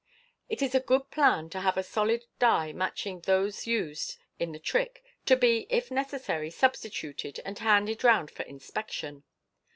It is a good plan to have a solid die matching those used in the trick, to be, if necessary, substituted and handed round for inspection.